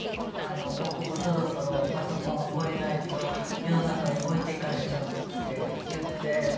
「僕もそろそろパソコン覚えないと世の中に置いていかれちゃう」って言って。